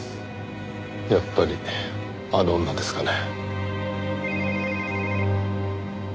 やっぱりあの女ですかね。